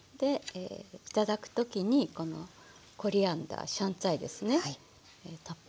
頂く時にこのコリアンダー香菜ですねたっぷりのっけます。